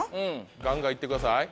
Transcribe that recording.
ガンガンいってください。